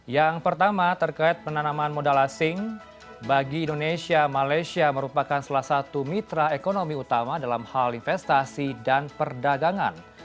yang pertama terkait penanaman modal asing bagi indonesia malaysia merupakan salah satu mitra ekonomi utama dalam hal investasi dan perdagangan